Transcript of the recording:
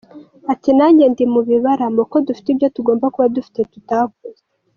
Ati “Nanjye ndi mu bibaramo ko dufite ibyo tugomba kuba dufite tutakoze.